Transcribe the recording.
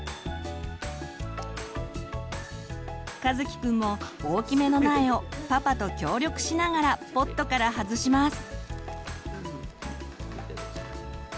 かずきくんも大きめの苗をパパと協力しながらポットから外します。